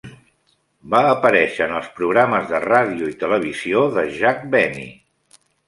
Va aparèixer en els programes de ràdio i televisió de Jack Benny.